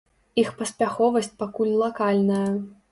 Іх паспяховасць пакуль лакальная.